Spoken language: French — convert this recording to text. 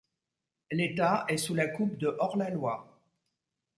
L'état est sous la coupe de hors-la-loi.